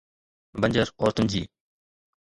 بنجر عورتن جي